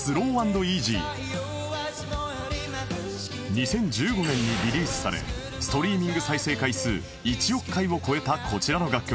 ２０１５年にリリースされストリーミング再生回数１億回を超えたこちらの楽曲